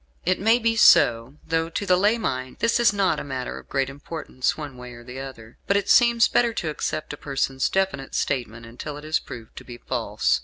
It may be so; though to the lay mind this is not a matter of great importance one way or the other; but it seems better to accept a person's definite statement until it is proved to be false.